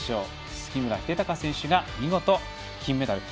杉村英孝選手が見事金メダルと。